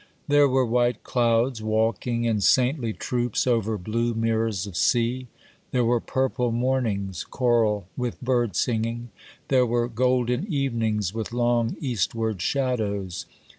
There were white clouds walking in saintly troops over blue mirrors of sea,—there were purple mornings, choral with bird singing,—there were golden evenings, with long, eastward shadows.